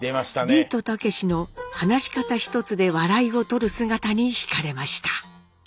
ビートたけしの話し方ひとつで笑いをとる姿にひかれました。